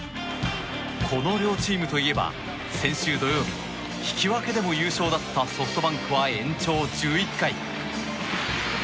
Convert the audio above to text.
この両チームといえば先週土曜日引き分けでも優勝だったソフトバンクは延長１１回。